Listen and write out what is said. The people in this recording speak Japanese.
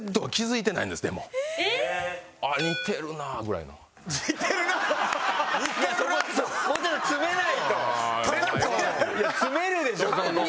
いや詰めるでしょそこ。